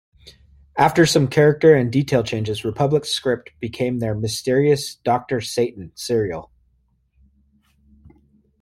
After some character and detail changes, Republic's script became their "Mysterious Doctor Satan" serial.